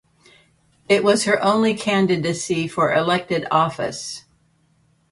It was her only candidacy for elected office.